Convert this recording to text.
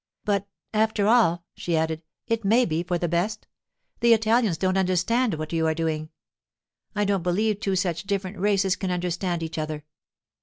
'But, after all,' she added, 'it may be for the best. The Italians don't understand what you are doing. I don't believe two such different races can understand each other.